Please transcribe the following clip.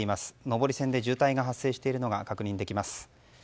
上り線で渋滞が発生しているのが確認できます。